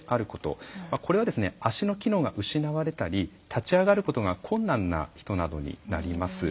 これは足の機能が失われたり立ち上がることが困難な人などになります。